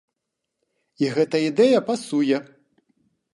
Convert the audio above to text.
І гэта ідэя пасуе.